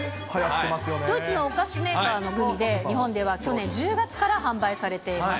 ドイツのお菓子メーカーのグミで、日本では去年１０月から販売されています。